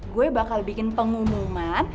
gue bakal bikin pengumuman